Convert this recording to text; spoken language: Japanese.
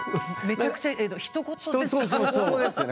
めちゃくちゃひと事ですか？